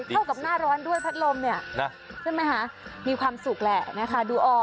เข้ากับหน้าร้อนด้วยพัดลมเนี่ยใช่ไหมคะมีความสุขแหละนะคะดูออก